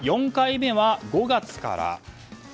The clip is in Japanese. ４回目は５月から。